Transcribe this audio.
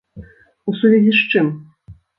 У сувязі з чым?